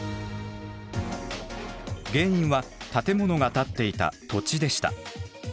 原因は建物が建っていた土地でした。